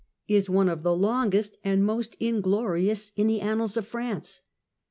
is one of the longest and most phiiip i., inglorious in the annals of France.